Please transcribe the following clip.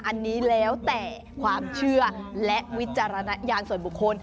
อันนี้แล้วแต่ความเชื่อและวิจารณญาณส่วนบุคคล